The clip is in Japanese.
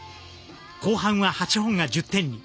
後半は８本が１０点に。